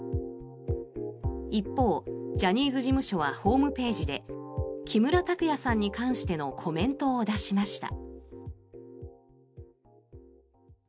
一方、ジャニーズ事務所はホームページで木村拓哉さんに関してのコメントを出しました。